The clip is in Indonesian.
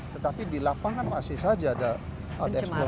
tetapi di lapangan masih saja ada eksplorasi